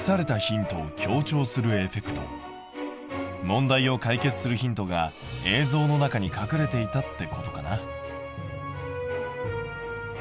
問題を解決するヒントが映像の中に隠れていたってことかな？